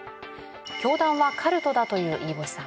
教団はカルトだという飯星さん。